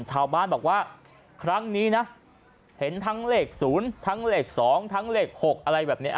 ชาวบ้านบอกว่าครั้งนี้นะเห็นทั้งเลข๐ทั้งเลข๒ทั้งเลข๖อะไรแบบนี้